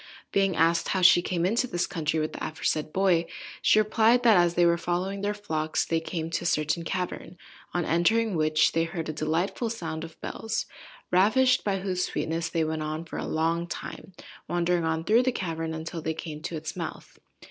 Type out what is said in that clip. Being asked how she came into this country with the aforesaid boy, she replied, that, as they were following their flocks, they came to a certain cavern, on entering which they heard a delightful sound of bells, ravished by whose sweetness they went on for a long time wandering on through the cavern, until they came to its mouth.